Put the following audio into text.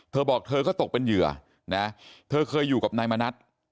เธอบอกเธอก็ตกเป็นเหยื่อนะเธอเคยอยู่กับนายมณัฐ